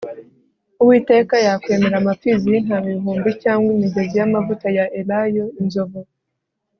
uwiteka yakwemera amapfizi y'intama ibihumbi, cyangwa imigezi y'amavuta ya elayo inzovu